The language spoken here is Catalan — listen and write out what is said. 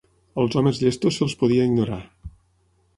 Als homes llestos se'ls podia ignorar.